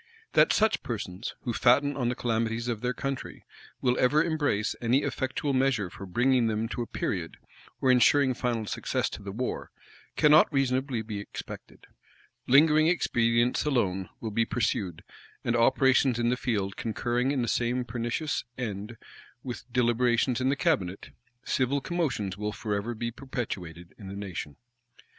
That such persons, who fatten on the calamities of their country, will ever embrace any effectual measure for bringing them to a period, or insuring final success to the war, cannot reasonably be expected. Lingering expedients alone will be pursued; and operations in the field concurring in the same pernicious end with deliberations in the cabinet, civil commotions will forever be perpetuated in the nation.